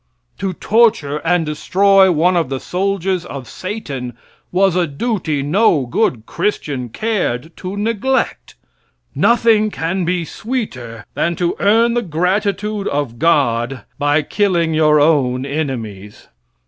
To torture and destroy one of the soldiers of Satan was a duty no good Christian cared to neglect. Nothing can be sweeter than to earn the gratitude of God by killing your own enemies.